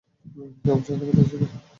কেবল সতর্কতা হিসাবে।